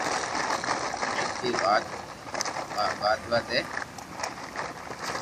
ايني واڌوا دي